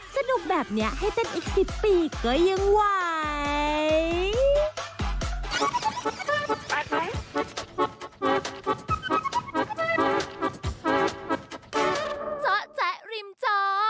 สนุกแบบนี้ให้เป็นอีก๑๐ปีก็ยังไหว